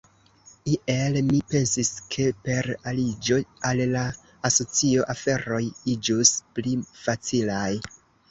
Iel mi pensis ke per aliĝo al la asocio, aferoj iĝus pli facilaj.